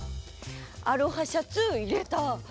アロハシャツいれた。